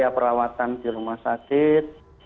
perawatan di rumah sakit